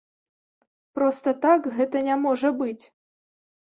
Проста так гэта не можа быць.